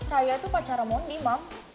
raya tuh pacar mondi mam